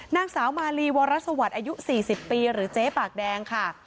นางสาวมาลีวรสวัสดิ์อายุ๔๐ปีหรือเจ๊ปากแดงค่ะ